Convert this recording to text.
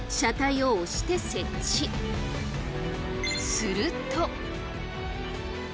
すると。